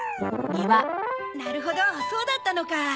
なるほどそうだったのか。